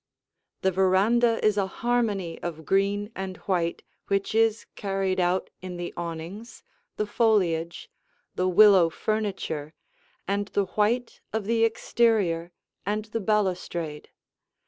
The veranda is a harmony of green and white which is carried out in the awnings, the foliage, the willow furniture, and the white of the exterior and the balustrade.